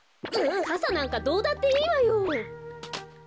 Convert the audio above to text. かさなんかどうだっていいわよ。